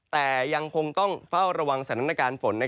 แต่ยังคงต้องเฝ้าระวังสถานการณ์ฝน